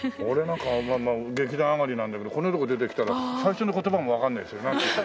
俺なんか劇団あがりなんだけどこんなとこ出てきたら最初の言葉もわかんないですよ。